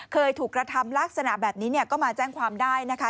เคยถูกกระทำลักษณะแบบนี้ก็มาแจ้งความได้นะคะ